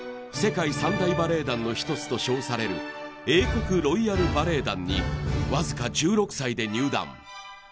世界三大バレエ団の１つと称される英国ロイヤル・バレエ団にわずか１６歳で入団。